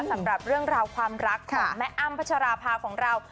สำหรับเรื่องราวความรักของแม่อ้ำพัชราภาของเรา